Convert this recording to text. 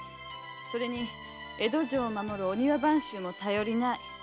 それに江戸城を守るお庭番衆も頼りない。